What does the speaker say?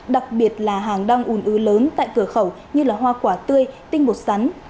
đặc biệt là hàng đang ủn ứ lớn tại cửa khẩu như hoa quả tươi tinh bột sắn